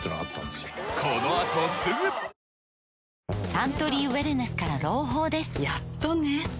サントリーウエルネスから朗報ですやっとね